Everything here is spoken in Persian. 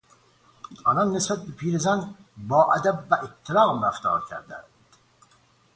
آنان نسبت به پیرزن با ادب و احترام رفتار کردند.